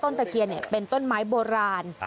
ตะเคียนเป็นต้นไม้โบราณ